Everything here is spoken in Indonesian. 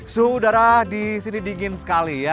suhu udara di sini dingin sekali ya